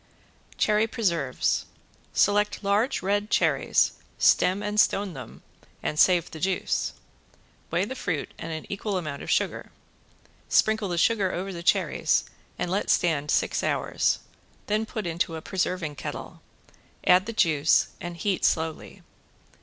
~CHERRY PRESERVES~ Select large red cherries, stem and stone them, and save the juice. Weigh the fruit and an equal amount of sugar. Sprinkle the sugar over the cherries and let stand six hours, then put into a preserving kettle, add the juice, and heat slowly.